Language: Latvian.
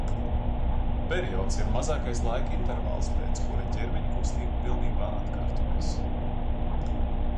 Periods ir mazākais laika intervāls, pēc kura ķermeņa kustība pilnībā atkārtojas.